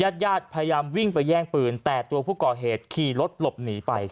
อย่างยาวชายประยัมอย่างลองไปแยกปืนแต่ผู้ก่อเหตุก่องรถนี่ขี่รสหลบหนีไป